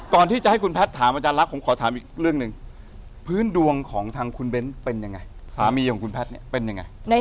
ก่อนที่จะให้คุณแพทย์ถามอาจารย์ลักษ์ผมขอถามอีกเรื่องหนึ่งพื้นดวงของทางคุณเบ้นเป็นยังไงสามีของคุณแพทย์เนี่ยเป็นยังไง